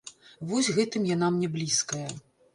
Вось гэтым яна мне блізкая.